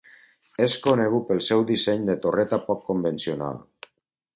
És conegut pel seu disseny de torreta poc convencional.